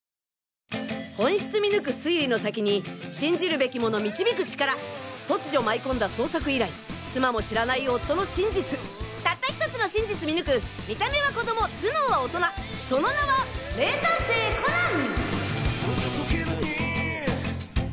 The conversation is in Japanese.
本質見抜く推理の先に信じるべきもの導く力突如舞い込んだ捜索依頼妻も知らない夫の真実たった１つの真実見抜く見た目は子供頭脳は大人その名は名探偵コナン！